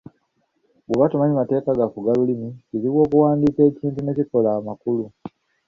Bw'oba tomanyi mateeka gafuga lulimi, kizibu okuwandiika ekintu ne kikola amakulu.